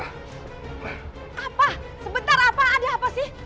apa sebentar apa aja apa sih